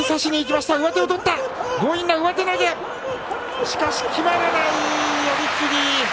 押し出し決まらない、寄り切り。